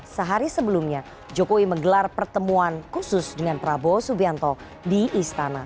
sehari sebelumnya jokowi menggelar pertemuan khusus dengan prabowo subianto di istana